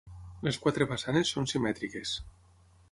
Les quatre façanes són simètriques.